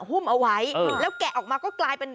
หุ้มเอาไว้แล้วแกะออกมาก็กลายเป็น